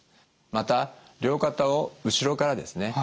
また両肩を後ろからですね